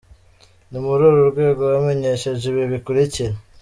Ni muri uru rwego mbamenyesheje ibi bikurikira: